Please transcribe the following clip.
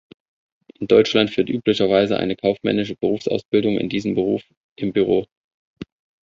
In Deutschland führt üblicherweise eine kaufmännische Berufsausbildung in diesen Beruf im Büro.